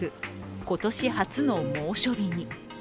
今年初の猛暑日に。